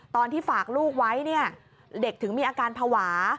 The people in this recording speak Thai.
ตอนที่ฝากลูกไว้เนี่ยเด็กถึงมีอาการภาวะ